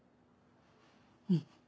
うん。